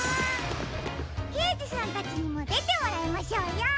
けいじさんたちにもでてもらいましょうよ。